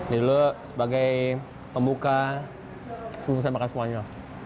jadi dulu sebagai pembuka sebetulnya saya makan semuanya